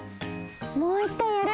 もう１かいやる？